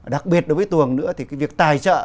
đặc biệt đối với tù hồng nữa thì cái việc tài trợ